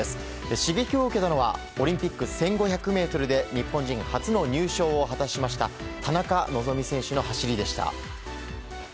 刺激を受けたのは東京オリンピックで１５００ｍで日本人初の入賞を果たした田中希実選手のはしりでした。